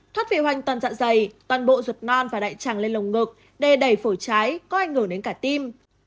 thoát vị hoành toàn dạ dày toàn bộ ruột non và đại tràng lên lồng ngực đề đầy phổi trái có ảnh hưởng đến cả tim